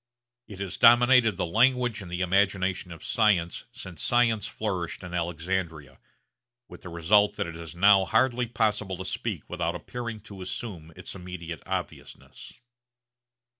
It has dominated the language and the imagination of science since science flourished in Alexandria, with the result that it is now hardly possible to speak without appearing to assume its immediate obviousness.